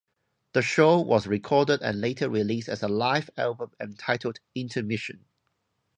The show was recorded and later released as a live album, entitled "Intermission".